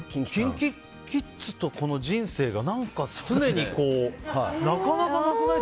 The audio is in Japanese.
ＫｉｎＫｉＫｉｄｓと人生が常にこうなかなかなくない？